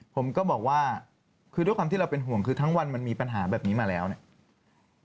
ผมก็บอกว่าคือด้วยความที่เราเป็นห่วงคือทั้งวันมันมีปัญหาแบบนี้มาแล้วเนี่ย